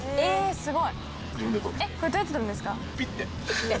すごい。